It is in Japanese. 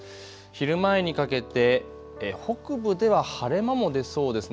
昼前にかけて北部では晴れ間も出そうです。